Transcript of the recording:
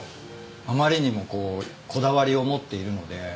あまりにもこだわりを持っているので。